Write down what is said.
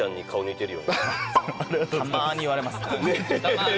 たまに言われます。